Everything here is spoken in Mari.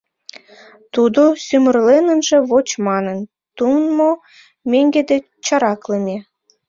Тудо сӱмырлен ынже воч манын, тумо меҥге дене чараклыме.